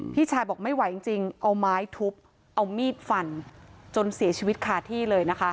พี่ชายบอกไม่ไหวจริงเอาไม้ทุบเอามีดฟันจนเสียชีวิตคาที่เลยนะคะ